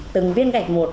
từng viên gạch một